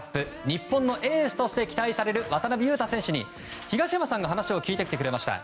日本のエースとして期待される渡邊雄太選手に東山さんが話を聞いてきてくれました。